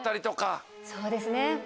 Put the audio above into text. そうですね。